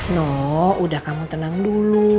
no udah kamu tenang dulu